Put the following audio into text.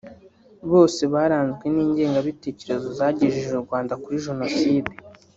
Bose baranzwe n’ingengabitekerezo zagejeje u Rwanda kuri Jenoside